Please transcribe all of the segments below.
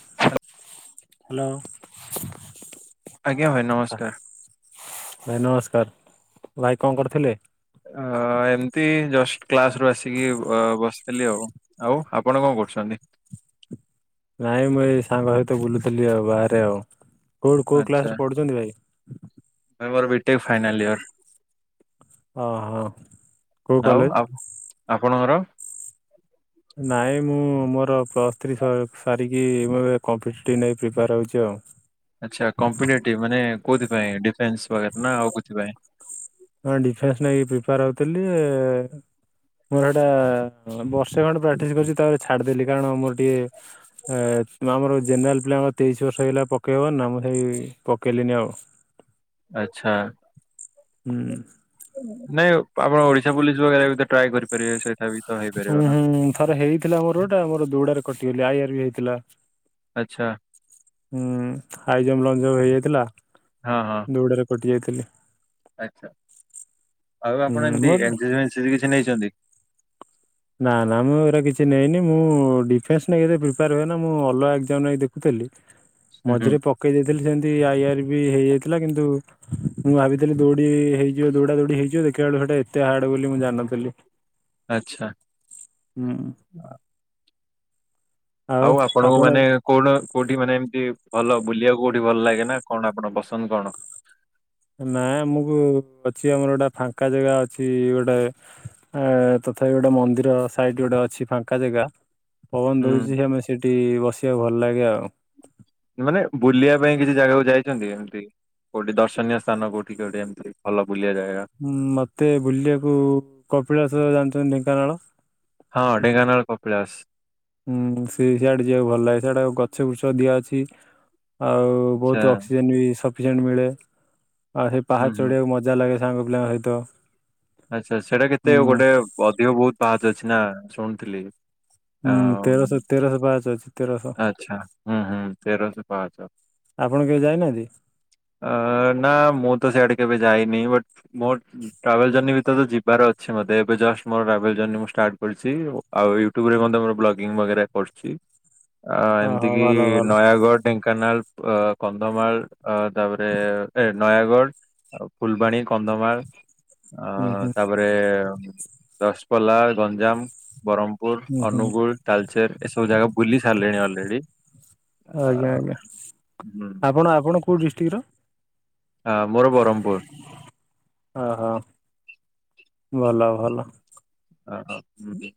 [inaudible] ଆଉ ଆଜ୍ଞା ଭାଇ, ନମସ୍କାର। ଭାଇ ନମସ୍କାର। ଭାଇ କଣ କରୁଥିଲେ? ଅ ଏମତି ଜଷ୍ଟ କ୍ଲାସରୁ ଆସିକି ବ-ବସିଥିଲି ଆଉ। ଆଉ ଆପଣ କଣ କର କରୁଛନ୍ତି? ଆଛା। ନାଇଁ ମୁଁ ଏଇ ସାଙ୍ଗ ସହିତ ବୁଲୁଥିଲି ଆଉ, ବାହାରେ ଆଉ। କୋଉଠୁ କୋଉ କ୍ଲାସରେ ପଢ଼ୁଛନ୍ତି ଭାଇ? ଆମର ବି ଟେକ ଫାଇନାଲିୟର। ଓହୋ। କୋଉ ଆଉ କଲେଜ? ଆପ- ଆପଣଙ୍କର? ନାଇଁ ମୁଁ ମୋର ପ୍ଲସ୍ ଥ୍ରୀ ସ ସାରିକି, ମୁଁ ଏବେ କମ୍ପିଟେଟିଭ ନେଇ ପ୍ରିପେୟାର ହଉଛି ଆଉ। ଆଚ୍ଛା। କମ୍ପିଟେଟିଭ ମାନେ କୋଉଥିପାଇଁ? ଡିଫେନ୍ସ ବଗେରା ନା ଆଉ କୋଉଥିପାଇଁ? ହଁ ଡିଫେନ୍ସ ନେଇକି ପ୍ରିପେୟାର ହଉଥିଲି ମୋର ସେଇଟା ବର୍ଷେ ଖଣ୍ଡେ ପ୍ରାକ୍ଟିସ କରୁଛି, ତାପରେ ଛାଡିଦେଲି। କାରଣ ମୋର ଟିକେ ଏ ହେସ୍ ତୁ ଆମର ଜେନେରାଲ ପିଲାଙ୍କର ତେଇଶ ବର୍ଷ ହେଇଗଲେ ଆଉ ପକେଇହବନି ନା, ମୁଁ ସେଇ ପକେଇଲିନି ଆଉ ଆଚ୍ଛା। ହୁଁ। ନାଇଁ ଆପଣ ଓଡିଶା ପୋଲିସ ବଗେରା ବି ତ ଟ୍ରାଏ କରି ହୁଁ ହୁଁ। ଥରେ ହେଇଥିଲା ମୋର ଗୋଟାଏ, ମୋର ଦୌଡାରେ କଟିଗଲି। ଆଇ ଆର ବି ହେଇଥିଲା। ଆଚ୍ଛା। ହୁଁ। ହାଇ ଜମ୍ପ ଲଙ୍ଗ ଜମ୍ପ ହେଇଯାଇଥିଲା, ହଁ ହଁ ଦୌଡ଼ାରେ କଟି ଯାଇଥିଲି। ଆଚ୍ଛା। ଆଉ ହୁଁ ଆପଣ ଏମତି ମୋର ଏନ୍ ସି ସି ଫେନ୍ ସି ସି କିଛି ନେଇଛନ୍ତି? ନାଁ ନାଁ, ମୁଁ ଏଇଗୁରା କିଛି ନେଇନି, ମୁଁ ଡିଫେନ୍ସ ନେଇକିନା ପ୍ରିପେୟାର ହୁଏ ନା, ମୁଁ ଅଲଗା ଏକ୍ଜାମ ଲାଗି ଦେଖୁଥିଲି ହୁଁ ହୁଁ ମଝିରେ ପକେଇ ଦେଇଥିଲି ଯେନ୍ତି ଆଇ ଆର ବି ହେଇଯାଇଥିଲା, କିନ୍ତୁ ମୁଁ ଭାବିଥିଲି ଦୌଡି ହେଇଯିବ ଦୌଡା ଦୌଡି ହେଇଯିବ, ଦେଖିବା ବେଳକୁ ସେଇଟା ଏତେ ହାର୍ଡ ବୋଲି ମୁଁ ଜାଣିନଥିଲି। ଆଚ୍ଛା। ହୁଁ। ଆଉ ଆପଣଙ୍କୁ ମାନେ କଣ କୋଉଠି ମାନେ ଏମତି ଭଲ ବୁଲିବାକୁ କୋଉଠି ଭଲ ଲାଗେ ନା, କଣ ଆପଣଙ୍କ ପସନ୍ଦ କଣ? ନାଇଁ ଆମକୁ ଅଛି ଆମର ଗୋଟା ଫାଙ୍କା ଜାଗା ଅଛି ଗୋଟେ ଏଁ ତଥାପି ଗୋଟେ ମନ୍ଦିର ସାଇଡରେ ଗୋଟେ ଅଛି ଫାଙ୍କା ଜାଗା ପବନ ଦଉଛି, ହୁଁ ସେ ଆମେ ସେଇଠି ବସିବାକୁ ଭଲ ଲାଗେ ଆଉ। ମାନେ ବୁଲିବା ପାଇଁ କିଛି ଜାଗାକୁ ଯାଇଛନ୍ତି ଏମିତି। କୋଉଠି ଦର୍ଶନୀୟ ସ୍ଥାନ କୋଉଠି ଗୋଟେ ଏମିତି ଭଲ ବୁଲିବା ଜାଗା? ଉଁ ମତେ ବୁଲିବାକୁ କପିଳାଶ ଜାଣିଛନ୍ତି ଢେଙ୍କାନାଳ ହଁ ଢେଙ୍କାନାଳ କପିଳାସ। ଉଁ ସେ ସେଇଆଡେ ଯିବାକୁ ଭଲ ଲାଗେ ସେଇଆଡା ଗଛ ଫୁଛ ଦିଆ ଅଛି। ଆଉ ଆଚ୍ଛା ବହୁତ ଅକ୍ସିଜେନ୍ ବି ସଫିସିଏଣ୍ ମିଳେ ଆଉ ସେ ହୁଁ ପାହା ହୁଁ ଚଢିବାକୁ ମଜା ଲାଗେ ସାଙ୍ଗ ପିଲାଙ୍କ ସହିତ। ଆଚ୍ଛା ସେଇଟା ଉଁ କେତେ ଗୋଟେ ଅଧିକ ବହୁତ ପାହାଚ ଅଛି ନା ଶୁଣିଥିଲି। ହୁଁ ତେରଶହ ତେରଶହ ପାଚ ଅଛି। ତେରଶହ ଆଚ୍ଛା ହୁଁ ହୁଁ ତେରସ ପାହାଚ। ଆପଣ କେବେ ଯାଇନାହାନ୍ତି? ‌ଆ ନା ମୁଁ ତ ସିଆଡେ କେବେ ଯାଇ ନି ବଟ୍ ମୋର ଟାୱାଲ ଜର୍ଣ୍ଣି ବି ତ ଯିବାର ଅଛି ମତେ ଏବେ ଜଷ୍ଟ ମୋର ଟ୍ରାବେଲ ଜର୍ଣ୍ଣି ମୁଁ ଷ୍ଟାର୍ଟ କରିଛି। ଆଉ ୟୁଟ୍ୟୁବରେ ଅନ୍ଦର୍ ମୋର ବ୍ଲଗିଂ କରୁଛି। ଅ ଏମିତି ଓହୋ କିି ଭଲ ଭଲ ନୟାଗଡ ଢେଙ୍କାନାଳ ଅ କନ୍ଧମାଳ ଅ ତାପରେ ଏ ନୟାଗଡ଼ ଆଉ ଫୁଲବାଣୀ, କନ୍ଧମାଳ ଅ ହୁଁ ହୁଁ ତାପରେ ରଶପଲ୍ଲା, ଗଞ୍ଜାମ ବରମ୍ପୁର, ହୁଁ ହୁଁ ଅନୁଗୁଳ ତାଲଚେର ଏସବୁ ଜାଗାକୁ ପୋଲିସ ଆରିଲେଣି ଅଲରେଡି ଆଜ୍ଞା ହୁଁ। କଉଡିଷ୍ଟିକ୍ ର? ହ ମୋର ବରମପୁର। ଓହୋ ଭଲ ଭଲ। ଓହୋ ହୁଁ ହୁଁ।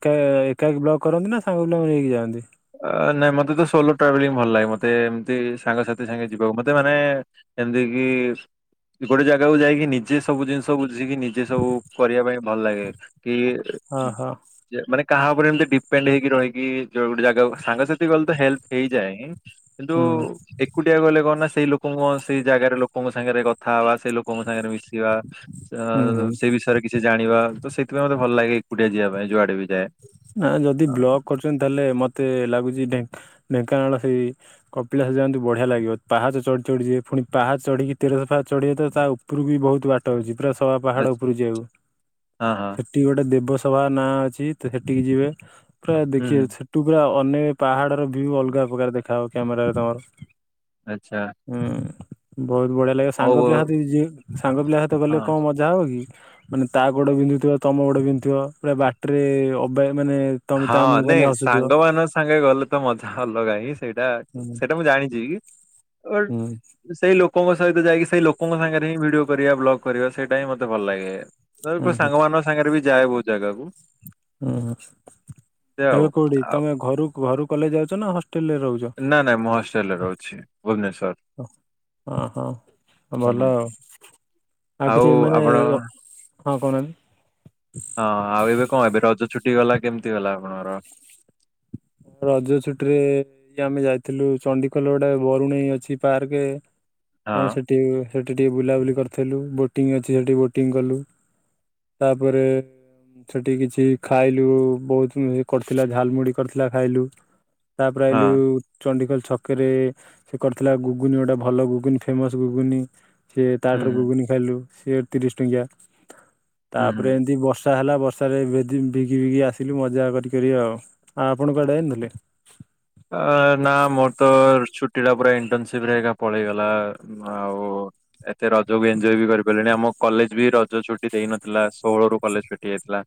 କା ଏକା ଏକ ବ୍ଲକ୍ କରନ୍ତି ନା ସାଙ୍ଗ ବ୍ଲକ ନେଇକି ଯାଆନ୍ତି। ଅ ନାଇଁ ମତେ ତ ସୋଲୋ ଟ୍ରାଭେଲିଂ ଭଲ ଲାଗେ ମତେ ଏମତି ସାଙ୍ଗସାଥି ସାଙ୍ଗେ ଯିବାକୁ ମତେ ମାନେ ଏମତିକି ଗୋଟେ ଜାଗାକୁ ଯାଇକି ନିଜେ ସବୁ ଜିନିଷ ବୁଝିକି ନିଜେ ସବୁ କରିବା ପାଇଁ ଭଲ ଲାଗେ। କି ଓହୋ ମାନେ କାହା ଉପରେ ଏମତି ଡିପେଣ୍ଡ ହେଇକି ରହିକି ଯଉଡା ସାଙ୍ଗସାଥି ଗଲେ ତ ହେଲ୍ପ ହେଇଯାଏ କିନ୍ତୁ ହୁଁ ଏକୁଟିଆ ଗଲେ କଣ ନା ସେଇ ଲୋକଙ୍କ ସେଇ ଜାଗାରେ ଲୋକଙ୍କ ସାଙ୍ଗରେ କଥା ହବା। ସେ ଲୋକଙ୍କ ସାଙ୍ଗରେ ମିଶିବା ଆ ହୁଁ ହୁଁ ସେ ବିଷୟରେ କିଛି ଜାଣିବା ତ ସେଥିପାଇଁ ମତେ ଭଲ ଲାଗେ। କୁଟେ ଯିବା ପାଇଁ ଯୁଆଡ଼େ ବି ଯାଏ। ନା ଯଦି ବ୍ଲଗ କରୁଛନ୍ତି ତାହେଲେ ମତ ଏତେ ଲାଗୁଛି ଢେ ଢେଙ୍କାନାଳ ସେଇ କପିଳାସ ଯାଆନ୍ତୁ ବଢିଆ ଲାଗିବ ପାହାଚ ଚଢି ଚଢି ଯିଏ ପୁଣି ପାହା ଚଢ଼ିକି ତେର ସଫା ଚଢ଼ିବ ତ ତା ଉପରକୁ ବି ବହୁତ୍ ବାଟ ଅଛି। ପୂରା ସଭା ପାହାଡ ଆଛା ଉପରୁ ଯାଉ ହଁ ହଁ ସେଠି ଗୋଟେ ଦେବସଭା ନାଁ ଅଛି ସେଠିକି ଯିବେ ପୁରା ହୁଁ ହୁଁ ଦେଖିବେ ସେଠୁ ପୁରା ଅନେକ ପାହାଡର ଭିୟୁ ଅଲଗା ପ୍ରକାର ଦେ ଖାଉ କ୍ୟାମେରାରେ ତମର। ଆଚ୍ଛା। ହୁଁ ବହୁତ ବଢ଼ିଆ ଲାଗେ ହଉ ସାଙ୍ଗ ପିଲା ସହିତ ଯି ସାଙ୍ଗ ପିଲା ସହିତ ଗଲେ ହଁ। କଣ ମଜା ହେବ କି? ମାନେ ତା ଗୋଡ ବିନ୍ଧୁଥିବ ତମ ଗୋଡ ବିନ୍ଧୁଥିବ ପା ବାଟିରେ ଅବା ମାନେ ତମେ ହଁ ତା ମୁହଁକୁ ଅନେଇ ନାଇଁ ହସୁଥିବ। ସାଙ୍ଗ ମାନଙ୍କ ସାଙ୍ଗେ ଗଲେ ତ ମଜା ଅଲଗା ହଇଁ। ସେଇଟା ହୁଁ ସେଇଟା ମୁଁ ଜାଣିଛି କି ହୁଁ ସେଇ ଲୋ ଲୋକଙ୍କ ସହିତ ଯାଇକି ସେଇ ଲୋକଙ୍କ ସାଙ୍ଗରେ ହିଁ ଭିଡିଓ କରିବା ବ୍ଲଗ୍ କରିବା ସେଇଟା ହିଁ ମତେ ଭଲ ଲାଗେ। ହୁଁ ନ ସାଙ୍ଗମାନଙ୍କ ବି ଯାଏ ବହୁତ୍ ଜାଗାକୁ। ହୁଁ ଏମିତି ଆଉ ଏବେ କୋଉଠି ଆଉ ତମେ ଘରୁ ଘରୁ କଲେଜ ଯାଉଛ ନା ହଷ୍ଟ ନା ନାଇଁ ମୁଁ ହଷ୍ଟେଲରେ ରହୁଛି ଭୁବନେଶ୍ଵର। ଓ ହୋ ହୁଁ। ଭଲ ଆଉ ଆଉ କିଛି ମାନେ ହଁ କହୁ ନାହାନ୍ତି। କଟିଗଲା କେମିତି ଗଲା ଆପଣଙ୍କର? ରଜ ଛୁଟି ରେ ଆମେ ଯାଇଥିଲୁ ଚଣ୍ଡିଖୋଲ ଗୁଟେ ବରୁଣେଇ ଅଛି ପାର୍କେ ଆମେ ହଁ ସେଠି ସେଠି ଟିକେ ବୁଲାବୁଲି କରିଥିଲୁ ବୋଟିଂ ଅଛି ସେଠି ବୋଟିଂ କଲୁ। ତାପରେ ସେଠି କିଛି ଖାଇଲୁ ବହୁତ କରିଥିଲା ଝାଲମୁଡି କରିଥିଲ ଭୂଜା ଖାଇଲୁ ତାପରେ ହଁ ଆଇଲୁ ଚଣ୍ଡୀଖସ୍ ଛକରେ ସେ କରିଥିଲା ଗୁଗୁନି ଗୋଟେ ଭଲ ଗୁଗୁନି ଫେମସ ଗୁଗୁନି ସି ହୁଁ ତାଠାରୁ ହୁଁ ଗୁଗୁନି ଖାଇଲୁ ସିଏ ତିରିଶ ଟଙ୍କିଆ ହୁଁ ହୁଁ। ତାପରେ ଏମତି ବର୍ଷ ବର୍ଷା ହେଲା ବର୍ଷାରେ ଭେଦି- ଭିଗି ଭିଗି ଆସିଲୁ ମଜା କରି କରି ଆଉ। ହଁ ଆପଣ କୁଆଡ଼େ ଆ ନ ଥିଲେ? ଅ ନା ମୋର ତ ଛୁଟି ଟା ପୁରା ଇଣ୍ଟସିପ ପଳେଇଗଲା ଆଉ ଏତେ ରଜକୁ ଏଞ୍ଜୟ୍ କିଛି କରିପାରିଲଣି ଆମ କଲେଜ ବି ରଜ ଛୁଟି ଦେଇନଥିଲା ଷୋହଳ ରୁ କଲେଜ ଫିଟି ଯାଇଥିଲା।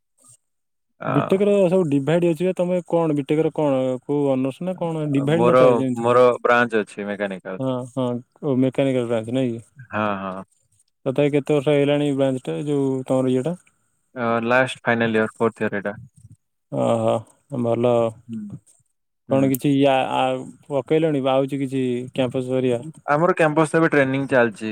ବିଟେକର ସବୁ ଡିଭାଇଡ ଅଛି ବା ତମେ କଣ? ବିଟେକର କଣ କୋଉ ଅନର୍ସ ନା କଣ? ଡିଭାଇଡ ମୋର ନଥାଏ ଯେମିତି। ମୋର ବ୍ରାଞ୍ଚ ଅଛି ମେକାନିକାଲ ହଁ ହଁ, ଓ ମକେନିକଲ ବ୍ରାଞ୍ଚ ନାଇ କି। ହଁ ତଥାପି କେତେ ବର୍ଷ ହେଇଗଲାଣି ବ୍ରଞ୍ଚ ଟା ଏ ଯୋଉ ତମର ଇଏଟା ଅ last final year fourth year ଏଇଟା। ଓହୋ ଭଲ ହୁଁ। ହୁଁ। ଅ-କଣ କିଛି ୟା ଆ ପକେଇଲେଣି ବା ଆଉଛି କିଛି କ୍ୟାମ୍ପସ ହେରିକା? ଆମର କ୍ୟାମ୍ପସ ଏବେ ଟ୍ରେନିଂ ଚାଲିଛି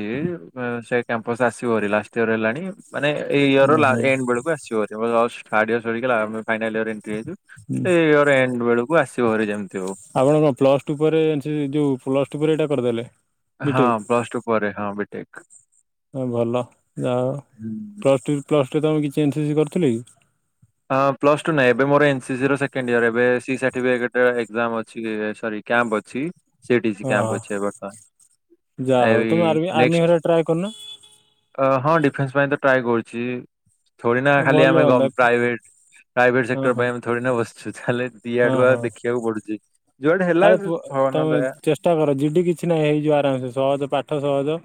ସେ କ୍ୟାମ୍ପସ ଆସିବ ଲାଷ୍ଟ ଇୟର ହେଲାଣି ଏ ମାନେ ଏଇ ଇୟର ଓହୋ ଲା-ଏଣ୍ଡ ବେଳକୁ ଆସିବ ବୋଧେ ଜଷ୍ଥ ଥାର୍ଡ଼ ୟର ସରିକି ଫାଇନାଲ ଏଣ୍ଟ୍ରି ହେଇଛୁ। ହୁଁ ଏଇୟଅର ଏଣ୍ଡ ବେଳକୁ ଆସିବ ବୋଧେ ଯେମିତି ହଉ। ଆପଣ କଣ ପ୍ଲସ ଟୁ ପରେ ଯେ ଯୋଉ ପ୍ଲସ ଟୁ ପରେ ଏଇଟା କରିଦେଲେ। ହଁ ବିଟେକ୍ ପ୍ଲସ୍ ଟୁ ପରେ ହଁ ବିଟେକ। ହଁ ଭଲ ଯାଅ ପ୍ଲସ୍ ଟୁ ପ୍ଲସ୍ ଟୁ ତମେ କିଛି ଏନ୍ସିସି କରିଥିଲି କି? ହଁ ପ୍ଲସ ଟୁ ନାଁ ଏବେ ମୋର ଏନସିସି ର ସେକଣ୍ଡ ଇୟର ଏବେ ସି ସାର୍ଟିଫିକେଟର ଏକଜାମ ଅଛି ଏ ସରି। କ୍ୟାମ୍ପ ଅଛି ସେଡିସ୍ କ୍ୟାମ୍ପ ହଁ ଅଛି ଏ ବର୍ତ୍ତମାନ। ଯାହା ହଉ ଏଇ ତମେ ଆର୍ମି ଆର୍ମି ନେଷ୍ଟ ହେରା ଟ୍ରାଏ କରୁନ ହ ହଁ ଡିପ୍ ସେଇତି ପାଇଁ ତ ଟ୍ରାଏ କରୁଛି ଥୋଡି ନା ଖାଲି ଭଲ ଆମେ ଗମ୍ ହୁଅନ୍ତା। ପ୍ରାଇଭେଟ ପ୍ରାଇଭେଟ ହଁ ସେକ୍ଟର ହଁ ପାଇଁ ଆମେ ଥୋଡ଼ିନା ବସିଛୁ ଯାହା ହେଲେ ହଁ ଦିଆଡୁଆ ହଁ ଦେଖିବାକୁ ପଡୁଛି। ଯୁଆଡେ ହେଲା ଆରେ ପୁଅ ଭଗବାନଙ୍କ ତମେ ଦୟା ଚେଷ୍ଟା କର ଜିଡି କିଛି ନାହିଁ ହେଇଯିବ ଆରାମସେ ସହଜ ପାଠ ସହଜ।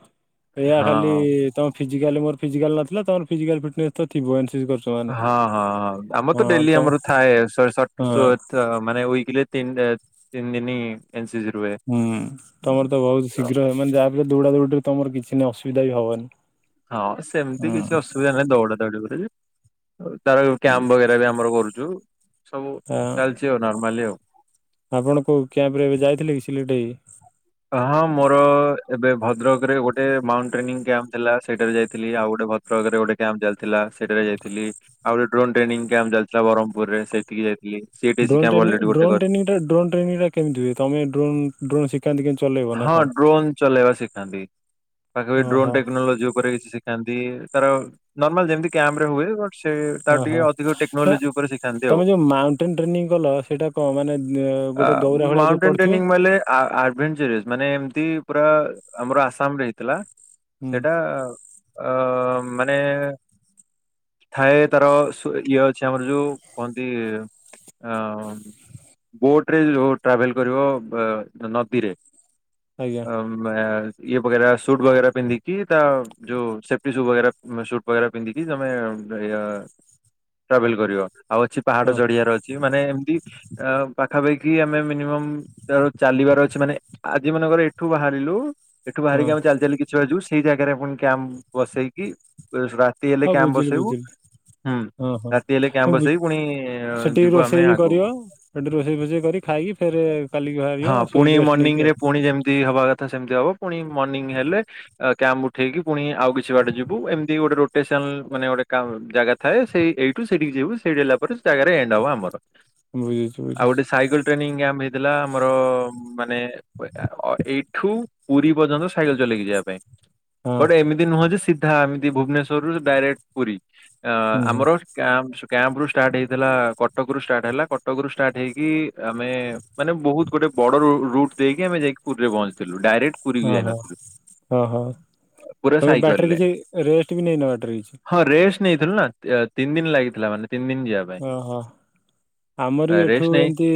ଏଇଆ ଖଲି ହଁ। ତମ ଫିଜିଜାଲି ମୋର ଫିଜିକାଲ ନଥିଲା ତମର ଫିଜିକାଲ ଫିଟନେସ ତ ଥିବ ଏନ୍ସି ହଁ ହଁ ହଁ ଆମର ତ ଡେଲି ଆମର ଥାଏ ହଁ ମାନେ [unintelligible] ତିନ ଏ ତିନ ଦିନି ହୁଁ ତମର ତ ବହୁତ ଶୀଘ୍ର ହ ମାନେ ଯାହା ଫଲେ ଦୌଡା ଦୌଡରେ ତମର କିଛି ନାଁ ଅସୁବିଧା ବି ହବନି। ହଁ ସେମିତି କିଛି ଅସୁବିଧା ନାହିଁ ଦୌଡା ଦୌଡିିବ କରି ତାର କ୍ୟାମ୍ପ ବଗେରା ବି ଆମର କରୁଛୁ ସବୁ ଆ ଚାଲିଛି ଆଉ ନର୍ମାଲି ଆଉ। ଆପଣ କୋଉ କ୍ୟାମ୍ପ ରେ ଏବେ ଯାଇଥିଲେ କି ସିଲିଟେ ହେଇ? ହଁ ମୋର ଏବେ ଭଦ୍ରକରେ ଗୋଟେ ମାଉଣ୍ଟ ଟ୍ରେନିଂ କ୍ୟାମ୍ପ ଥିଲା ସେଇଟାରେ ଯାଇଥିଲି ଆଉ ଗୋଟେ ଭଦ୍ରକରେ ଗୋଟେ କ୍ୟାମ୍ପ ଚାଲିଥିଲା ସେଠାରେ ଯାଇଥିଲ ଆଉ ଗୋଟେଡ୍ରୋନ ଟ୍ରେନିଂ କ୍ୟାମ୍ପ ଚାଲିଥିଲା ବହ୍ମପୁରରେ ସେଟିକି ଯାଇ ଡ୍ରୋନ ଟ୍ରେନିଂ ଡ୍ରୋନ ଟ୍ରେନିଂଟା ଡ୍ରୋନଚ୍ରେନିଂ ଟା କେମିତି ହୁଏ ତମେ ଡ୍ରୋନ୍‌ଡ୍ରୋନ ଶିଖ ହଁ ଡ୍ରୋନ୍ ଚଲେଇବା ଶିଖାନ୍ତି ପାଖାପାଖି ଓହୋ ଡ୍ରୋନ ଟେକ୍ନୋଲୋଜି ଉପରେ କିଛି ଶିଖ ଖାନ୍ତି ତାର ନର୍ମାଲ ଯେମିତି କାମ୍ପ୍ରେ ହୁଏ। ବଟ୍ ସେ ହଁ ତାର ହଁ ଟିକେ ଅଧିକ ନା ଟେକ୍ନୋଲୋଜି ଉପରେ ଶିଖାନ୍ତି ଆଉ। ତମେ ଯୋଉ ମାଉଣ୍ଟେନ ଟ୍ରେନିଂ କଲ ସେଇଟା କଣ ମାନେ ଅ ଗୋଟେ ଦୌରା ଭଳିଆ ଯୋଉ ମାଉଣ୍ଟେନ ପଡିଥିବ? ଟେରିଂ ବୋଲେ ଆଡଭେଞ୍ଚରସ୍। ମାନେ ଏମିତି ପୁରା ଆମର ଆସାମରେ ହେଇଥିଲା ହୁଁ ସେଟା ଅ ମାନେ ଥାଏ ତାର ସୁ ଇଏ ଅଛି ଆମର ଯୋଉ କୁହନ୍ତି ଅ ବୋଟ ରେ ଯ ଟ୍ରାଭେଲ କରିବ ନଦୀରେ। ଆଜ୍ଞା ଆ [unintelligible] ଇ ବଗେରା ସୂଟ ବଗେରା ପିନ୍ଧି କି ତା ଯଉ ସେଫଟି ସୂ ଶଟ ବଗେରା ପିନ୍ଧି କି ତମେ ଏଇଆ ଟ୍ରାଭେଲ କରିବ। ଆଉ ଅଛି ପାହାଡ ହଁ ଚଢିଆର ଅଛି ମାନେ ଏମିତି ଅ ପାଖାପାଖି ଭି ଆମେ ମିନିମ ଆ ଚାଲିବାର ଅଛି ମାନେ ଆଜି ମାନେଙ୍କର ଏଠୁ ବାହାରିଲୁ ଏଠୁ ହଁ ବାହାରିକି ଆମେ ଚାଲି ଚାଲି କିଛି ଯିବୁ ସେଇ ଜାଗାରେ ଆପଣ କ୍ୟାମ୍ପ ବସେଇକି ରାତି ହେଲେ କ୍ୟାମ୍ପ ବସେଇବୁ। ହୁଁ ଅ ହ ରାତି ହେଲେ ହ କ୍ୟାମ୍ପ ବୁ ବସେଇ ପୁଣି ସେଠି ଯିବୁ ଆମେ ରୋଷେଇ ବି କରିବ ଆଗକୁ ସେଠି ରୋଷେଇ ଫୋଷେଇ କରି ଖାଇକି ଫେରେ କାଲିକି ବାହାରିବ ସେଇ ଯଷ୍ଟ ନିଙ୍ଗରେ ପୁଣି ଯେମିତି ହବା କଥା ସେମିତି ହବ ପୁଣି ମର୍ଣିଂ ହେଲେ କ୍ୟାମ୍ପ ଉଠେଇକି ପୁଣି ଆଉ କିଛି ବାଟ ଯିବୁ ଏମିତି ଗୋଟେ ରୋଟେସନ ଆ ମାନେ ଗୋଟେ କା ଜାଗା ଥାଏ ସେଇ ଏଇଠୁ ସେଠିକି ଯିବୁ ସେଇଠି ହେଲା ପରେ ସେ ଜାଗାରେ ଏଣ୍ଡ ହବ ଆମର। ବୁଇଝି ଆଉ ହଉଚି। ଗୋଟେ ସାଇକେଲ ଟ୍ରେନିଂ କ୍ୟାମ୍ପ ହେଇଥିଲା। ଆମର ମାନେ ଏଇଠୁ ପୁରୀ ପର୍ଯ୍ୟନ୍ତ ସାଇକେଲ ଚଲେଇକି ଯିବା ପାଇଁ। ହଁ ଗୋଟେ ଏମିତି ନୁହଁ ଯେ ସିଧା ଏମିତି ଭୁବନେଶ୍ୱରରୁ ଡାଇରେକ୍ଟ ପୁରୀ। ଅ ହୁଁ ହୁଁ ଆମର କ୍ୟାମ୍ପ ସୋ କ୍ୟାମ୍ପ ରୁ ଷ୍ଟାର୍ଟ ହେଇଥିଲା। କଟକ ରୁ ଷ୍ଟାର୍ଟ ହେଲା। କଟକ ରୁ ଷ୍ଟାର୍ଟ ହେଇକି ଆମେ ମାନେ ବହୁତ ଗୋଟେ ବଡ ରୁ ରୁଟ୍ ଦେଇକି ଆମେ ଯାଇକ ପୁରୀରେ ପହଞ୍ଚିଥିଲୁ ଡାଇରେକ୍ଟ ପୁରୀକୁ ଓହୋ ଯାଇନଥିଲୁ ହ ହ। ପୁରା ତ ବାଟରେ ସାଇକେଲରେ କିଛି ରେଷ୍ଟ ବି ନେଇନ ବାଟରେ କିଛି ହଁ ରେଷ୍ଟ ନେଇଥିଲୁ ନା ତିନି ଦିନ ଲାଗିଥିଲା ମାନେ ତିନି ଦିନ ଯିବା ପାଇଁ ଓ ହୋଃ। ଆମର ବି ଏଠୁ ରେଷ୍ଟ ନେଇ ଏମତି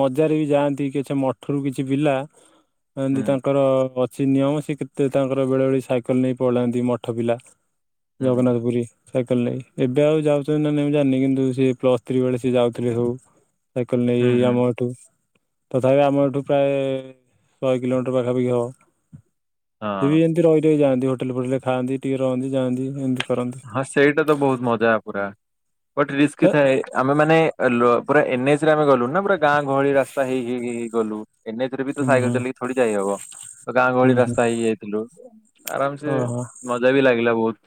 ମଜାରେ ବି ଯାଆନ୍ତି କିଛି ମଠରୁ କିଛି ପିଲା ହୁଁ ଏମିତି ତାଙ୍କର ସେ ନିୟମ ସେ କେତେ ତାଙ୍କର ବେଳେ ବେଳେ ସାଇକେଲ ନେଇ ପଳାନ୍ତି ମଠ ପିଲା ହୁଁ ଜଗନ୍ନାଥ ପୁରୀ। ସାଇକେଲ ନେଇକି ଏବେ ଆଉ ଯାଉଛନ୍ତି କି ନାଇଁ ମୁଁ ଜାଣିନି କିନ୍ତୁ ସେ ପ୍ଲସ ଥ୍ରୀ ବେଳେ ସିଏ ଯାଉଥିଲେ ସବୁ। ସାଇକେଲ ନେଇ ହୁଁ ହୁଁ ଆମଠୁ ତଥାପି ଆମ ଏଠୁ ପ୍ରାୟ ଶହେ କିଲୋମିଟର ପାଖାପାଖି ହବ। ସିଏ ବି ହଁ ଏମିତି ରହି ରହି ଯାଆନ୍ତି ହୋଟେଲ ଫୋଟେଲରେ ଖାଆନ୍ତି ଟିକେ ରହନ୍ତି ଯାଆନ୍ତି ଏମିତି କରନ୍ତି ହଁ ସେଇଟା ତ ବହୁତ ମଜା ପୁରା। ବଟ ଗୋଟେ ରିସ୍କ ଥାଏ ଆମେ ମାନେ ଏଲୋଓ ପୁରା ଏନ୍ଏଚେରେ ଆମେ ଗଲୁ ନା ପୁରା ଗାଁ ଗହଳି ରାସ୍ତା ହେଇ ହେଇ ଗଲୁ। ଏନେଏଚ୍ ରେ ବି ହୁଁ ସାଇକେଲ ହୁଁ ଚଲେଇକି ଥୋଡି ଯାଇ ହବ ତ ହୁଁ ଗାଁ-ଗହଳି ହୁଁ ରାସ୍ତା ହେଇଯାଇଥିଲୁ। ଆରାମ ସେ ଓହୋ ମଜା ବି ଲାଗିଲା ବହୁତ।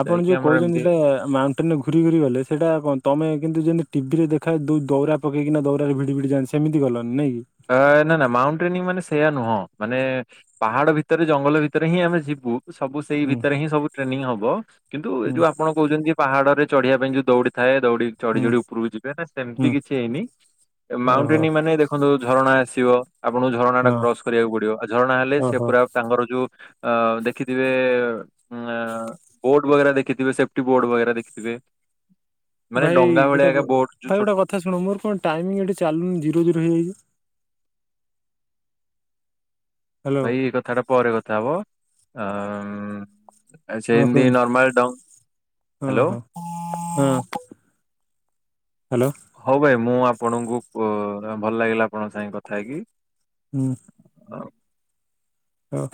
ଆପଣ ଯାଇକି ଯୋଉ ଆମର କହୁଛନ୍ତି ଏମିତି ସେଟା ମାଉଣ୍ଟେନରେ ଘୁରି ଘୁରି ଗଲେ ସେଇଟା କଣ ତମେ କିନ୍ତୁ ଯେମିତି ଟିଭିରେ ଦେଖାଏ ଦୌରା ପକେଇକିନା ଦୌରାରେ ଭିଡ଼ି ଭିଡ଼ି ଯାଆନ୍ତି ସେମିତି ଗଲ? ଅଁ ନାଁ ନାଁ ମାଉଣ୍ଟେନିଂ ମାନେ ସେୟା ନୁହଁ ମାନେ ପାହାଡ ଭିତରେ ଜଙ୍ଗଲ ଭିତରେ ହିଁ ଆମେ ଯିବୁ ସବୁ ସେଇ ହୁଁ ଭିତରେ ହିଁ ସବୁ ଟ୍ରେନିଂ ହବ କିନ୍ତୁ ଏ ହୁଁ ଯୋଉ ଆପଣ କହୁଛନ୍ତିକି ପାହାଡରେ ଚଢିବା ପାଇଁ ଯୋଉ ଦୌଡି ଥାଏ ଦୌଡି ଚଢି ହୁଁ ଚଢି ଉପରକୁ ଯିବେ ନା ସେମିତି ହୁଁ କିଛି ହେଇନି ଓହୋ ମାଉଣ୍ଟେନିଂ ମାନେ ଦେଖନ୍ତୁ? କଣ ଆସିବ? ଆପଣଙ୍କୁ ଝରଣା ଟା ହଁ କ୍ରସ କରିବାକୁ ପଡିବ ଝରଣା ହେଲେ ସେ ଓହୋ ପୁରା ତାଙ୍କର ଯୋଉ ଅ ଦେଖିଥିବେ ବୋର୍ଡ ବଗେରା ଦେଖିଥିବେ ସେଫ୍ଟି ବୋର୍ଡ ବଗେରା ଦେଖିଥିବେ। ମାନେ ଭାଇ ଡଙ୍ଗା ଭଳିଆ ଗୋଟେ ଏକା ବୋଟ ଯୋଉ ଭାଇ ଛୋଟ ଗୋଟେ କଥା ଶୁଣ ମୋର କଣ ଟାଇମିଙ୍ଗ ଏଠି ଚାଲୁନି ଜିରୋ ଜିରୋ ହେଇଯାଇଛି। ହ୍ୟାଲୋ ଭାଇ ଏ କଥାଟା ପରେ କଥା ହବ। ହଁ ଆଛେମିତି ନର୍ କୁହନ୍ତୁ ନର୍ମାଲ ଡ଼ାଉନ୍ ହଁ ହାଲୋ ହଁ ହାଲୋ। ମୁଁ ଆପଣଙ୍କୁ କୋ ଭଲ ଲାଗିଲା ଆପଣଙ୍କ ସାଙ୍ଗେ କଥା ହେଇକି ହୁଁ। ଆଉ। ହଉ।